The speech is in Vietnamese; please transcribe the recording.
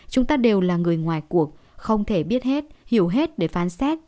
chúng ta đều là người ngoài cuộc không thể biết hết hiểu hết để phán xét